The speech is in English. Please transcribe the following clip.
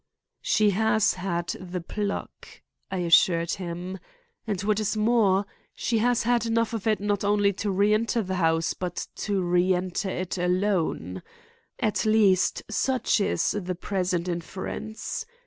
"She has had the pluck," I assured him; "and what is more, she has had enough of it not only to reenter the house, but to reenter it alone. At least, such is the present inference.